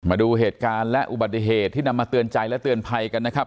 มาดูเหตุการณ์และอุบัติเหตุที่นำมาเตือนใจและเตือนภัยกันนะครับ